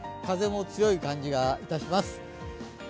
風も強い感じがいたします。